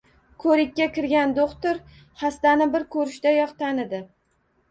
Koʻrikka kirgan doʻxtir xastani bir koʻrishdayoq tanidi